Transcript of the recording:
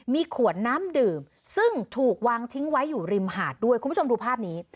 มีขวดน้ำดื่มซึ่งถูกวางทิ้งไว้อยู่ริมหาดด้วยคุณผู้ชมดูภาพนี้